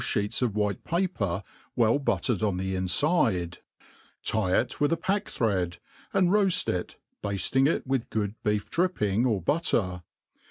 fheets of white paper Well buttered on the infide, tie it with a packthread, and roaft it, bafling it witb good beefr dripping or butter.